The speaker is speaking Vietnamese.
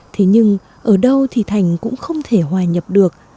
thế nhưng ở đâu thì thành cũng không thể hòa nhập được